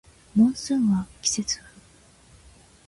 モンスーンは季節風